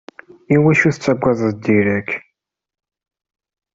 Iwacu tettagadeḍ Derek?